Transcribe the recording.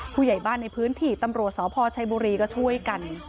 ผู้ใหญ่บ้านในพื้นที่ตำรวจสพชัยบุรีก็ช่วยกัน